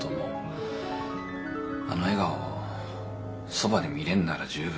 あの笑顔をそばで見れんなら十分。